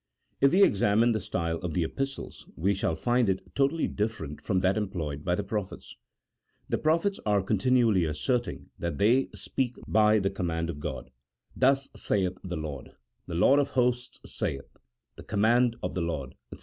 If we examine the style of the Epistles, we shall find it totally different from that employed by the prophets. The prophets are continually asserting that they speak by the command of God :" Thus saith the Lord," " The Lord of hosts saith," " The command of the Lord," &c.